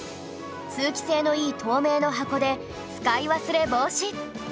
通気性のいい透明の箱で使い忘れ防止